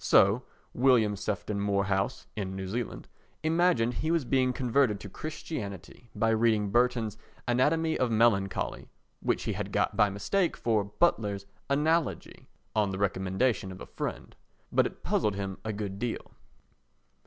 So William Sefton Moorhouse [in New Zealand] imagined he was being converted to Christianity by reading Burton's Anatomy of Melancholy, which he had got by mistake for Butler's Analogy, on the recommendation of a friend. But it puzzled him a good deal.